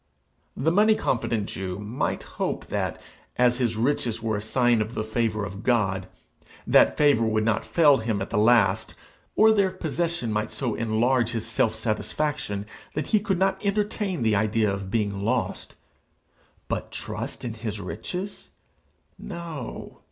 The money confident Jew might hope that, as his riches were a sign of the favour of God, that favour would not fail him at the last; or their possession might so enlarge his self satisfaction that he could not entertain the idea of being lost; but trust in his riches! no.